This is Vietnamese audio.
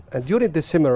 và trong bức tượng này